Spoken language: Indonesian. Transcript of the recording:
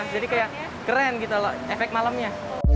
jadi kayak keren gitu loh efek malamnya